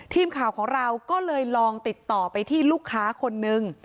ทีมข่าวของเราก็เลยลองติดต่อไปที่ลูกค้าคนนึง